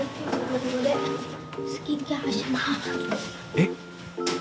えっ！